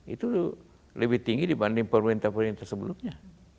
itu lebih tinggi dibanding pemerintah pemerintah sebelumnya